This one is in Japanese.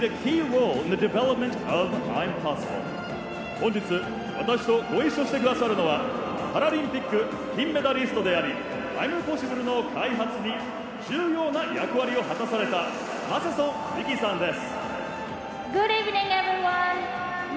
本日私と、ご一緒してくださるのはパラリンピック金メダリストでありアイムポッシブルの開発に重要な役割を果たされたマセソン美季さんです。